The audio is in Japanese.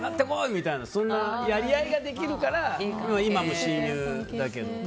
みたいなそんなやり合いができるから今も親友だけど。